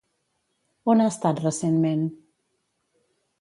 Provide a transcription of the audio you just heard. On ha estat recentment?